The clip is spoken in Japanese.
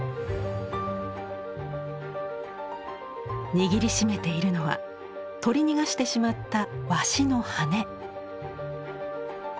握り締めているのは取り逃がしてしまった鷲の羽根。